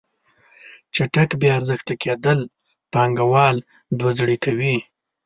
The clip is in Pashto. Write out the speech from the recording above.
چټک بې ارزښته کیدل پانګوال دوه زړې کوي.